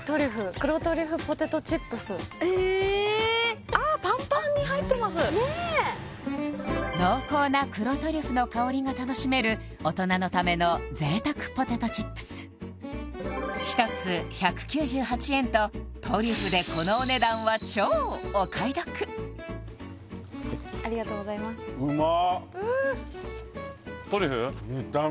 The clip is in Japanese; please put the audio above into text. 黒トリュフポテトチップスえっねえ濃厚な黒トリュフの香りが楽しめる大人のための贅沢ポテトチップス１つ１９８円とトリュフでこのお値段ははいありがとうございますトリュフ？